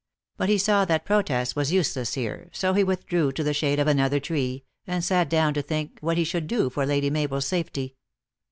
But he saw that protest was use less here, so he withdrew to the shade of another tree? and sat down to think what he should do for Lady Mabel s safety.